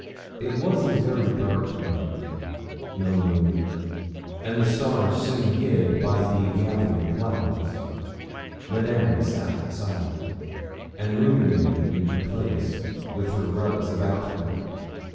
It was a very dark night no moon, and the stars soon hid by the gathering clouds. Madame sat silent, and ruminating in her place, with her rugs about her.